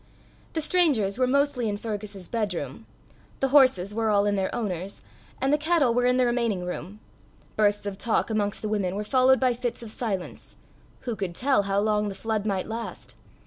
The strangers were mostly in Fergus's bedroom; the horses were all in their owner's; and the cattle were in the remaining rooms. Bursts of talk amongst the women were followed by fits of silence: who could tell how long the flood might last!